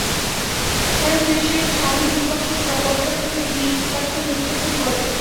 পরে পুলিশের সামনেই দুই পক্ষ পরস্পরের প্রতি ইটপাটকেল নিক্ষেপ শুরু করে।